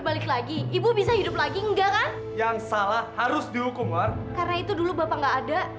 bapak pergi karena bapak pernah di penjara